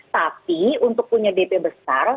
tapi untuk punya dp besar